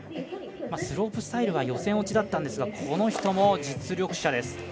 スロープスタイルは予選落ちだったんですがこの人も実力者です。